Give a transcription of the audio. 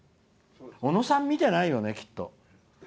小野さん、見てないよね、きっと。